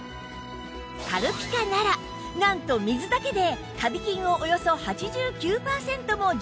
軽ピカならなんと水だけでカビ菌をおよそ８９パーセントも除去できます